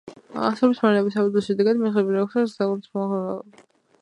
სოფლის მეურნეობის საფუძველს შეადგენს მსხვილი რქოსანი საქონელის მომრავლება.